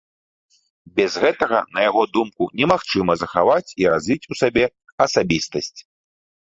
Без гэтага, на яго думку, немагчыма захаваць і развіць у сабе асабістасць.